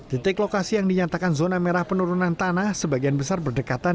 titik lokasi yang dinyatakan zona merah penurunan tanah sebagian besar berdekatan